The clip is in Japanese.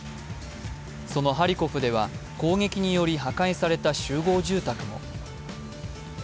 そのハリコフでは攻撃により破壊された集合住宅も。